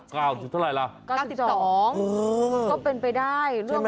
ก้าวนิจเท่าไรหรอก้าวสิบสองก็เป็นไปได้ใช่ไหมหรอ